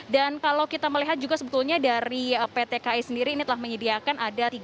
dan kalau kita melihat juga sebetulnya dari pt kai sendiri ini telah menyediakan